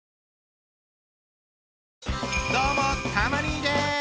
どうもたま兄です。